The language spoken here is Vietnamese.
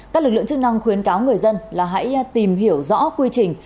các lực lượng chức năng khuyến cáo người dân là hãy tìm hiểu rõ quy trình